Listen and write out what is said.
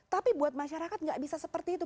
tapi buat masyarakat nggak bisa seperti itu